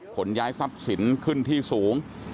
ขนย้ายซับสินขึ้นที่สูง